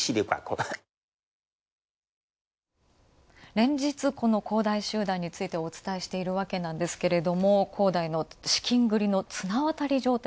連日、この恒大集団についてお伝えしているわけなんですけれど、恒大の資金繰りの綱渡り状態